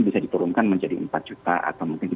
bisa diturunkan menjadi empat juta atau mungkin